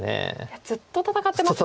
ずっと戦ってますね。